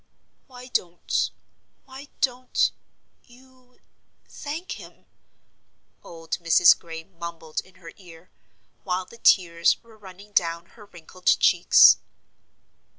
"Why don't why don't you thank him?" old Mrs. Gray mumbled in her ear, while the tears were running down her wrinkled cheeks.